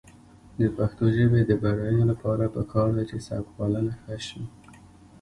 د پښتو ژبې د بډاینې لپاره پکار ده چې سبکپالنه ښه شي.